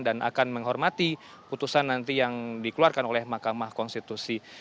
dan akan menghormati putusan nanti yang dikeluarkan oleh mahkamah konstitusi